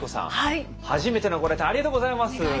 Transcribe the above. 初めてのご来店ありがとうございます。